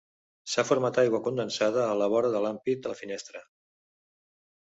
S'ha format aigua condensada a la vora de l'ampit de la finestra.